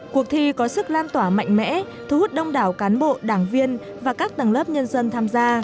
cuộc thi có sức lan tỏa mạnh mẽ thu hút đông đảo cán bộ đảng viên và các tầng lớp nhân dân tham gia